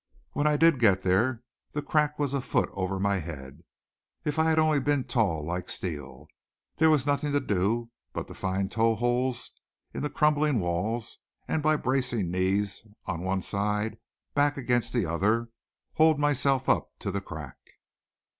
When I did get there the crack was a foot over my head. If I had only been tall like Steele! There was nothing to do but find toe holes in the crumbling walls, and by bracing knees on one side, back against the other, hold myself up to the crack.